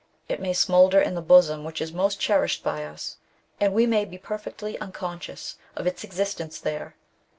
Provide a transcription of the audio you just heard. It may smoulder in the bosom which is most cherished by us, and we may be perfectly unconscious of its existence there.